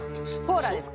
コーラです